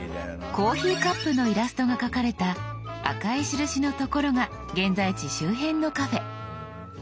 コーヒーカップのイラストが描かれた赤い印の所が現在地周辺のカフェ。